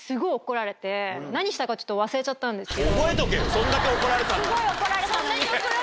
そんだけ怒られたんなら。